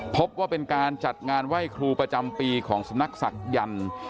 พบว่าเป็นการจัดงานไหว้ครูประจำปีของสำนักศักดิ์